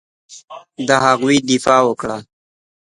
د هغوی دفاع وکړي.